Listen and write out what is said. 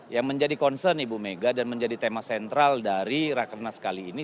yang menjadi concern ibu mega dan menjadi tema sentral dari rakernas kali ini